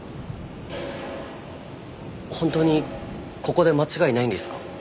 本当にここで間違いないんですか？